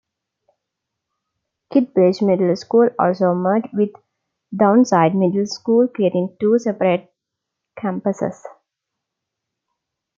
Kitbridge Middle School also merged with Downside Middle school, creating two separate campuses.